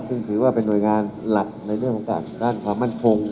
ซึ่งถือว่าเป็นหน่วยงานหลักในเรื่องของการด้านความมั่นคง